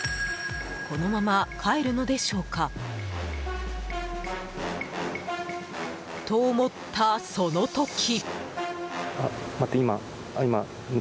このまま帰るのでしょうか。と、思ったその時。